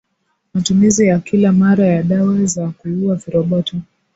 Matumizi ya kila mara ya dawa za kuua viroboto